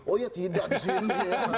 oh iya tidak disini ya